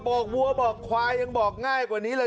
วกวัวบอกควายยังบอกง่ายกว่านี้เลย